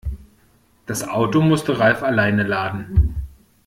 Das Auto musste Ralf alleine laden.